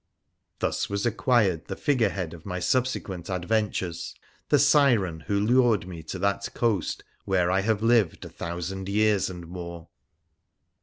Thus was acquired the figure head of my subsequent ad ventures — the Siren who lured me to that coast where I have lived a thousand years and more.